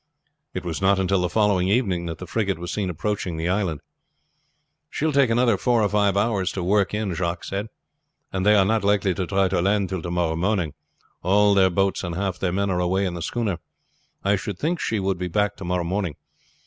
It was not until the following evening that the frigate was seen approaching the island. "She will take another four or five hours to work in," Jacques said, "and they are not likely to try to land till to morrow morning. All their boats and half their men are away in the schooner. I should think she would be back to morrow morning.